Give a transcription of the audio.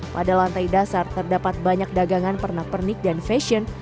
pada lantai dasar terdapat banyak dagangan pernak pernik dan fashion